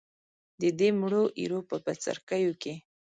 د دې مړو ایرو په بڅرکیو کې.